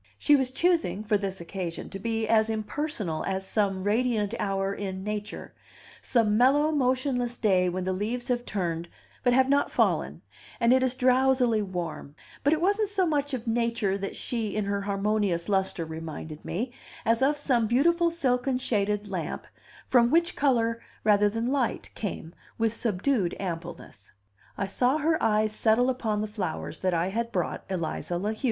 She was choosing, for this occasion, to be as impersonal as some radiant hour in nature, some mellow, motionless day when the leaves have turned, but have not fallen, and it is drowsily warm; but it wasn't so much of nature that she, in her harmonious lustre, reminded me, as of some beautiful silken shaded lamp, from which color rather than light came with subdued ampleness. I saw her eyes settle upon the flowers that I had brought Eliza La Heu.